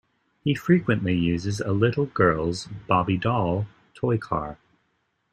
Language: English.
He frequently uses a little girl's Bobbie Doll toy car.